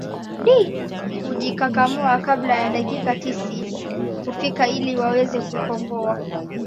di hujikakamua kabla ya dakiki tisini kufika ili waweze kukomboa